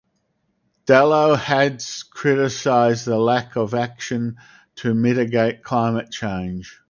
Dello has criticised the lack of action to mitigate climate change.